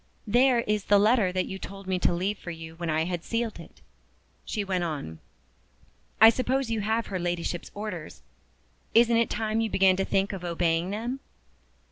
"There is the letter that you told me to leave for you when I had sealed it," she went on. "I suppose you have her Ladyship's orders. Isn't it time you began to think of obeying them?"